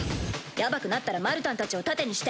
やばくなったらマルタンたちを盾にして。